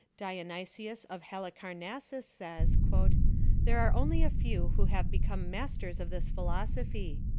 Dionysius of Hallicarnassus says, " there are only a few who have become masters of this philosophy.